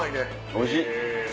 おいしい！